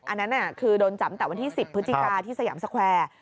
อันนั้นคือโดนจับแต่วันที่๑๐พฤศจิกาที่สยามสแควร์